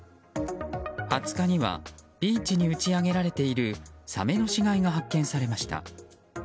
２０日にはビーチに打ち揚げられているサメの死骸が発見されました。